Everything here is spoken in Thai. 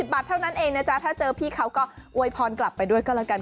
บาทเท่านั้นเองนะจ๊ะถ้าเจอพี่เขาก็อวยพรกลับไปด้วยก็แล้วกัน